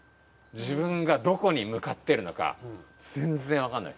自分がどこに向かってるのか全然分かんない。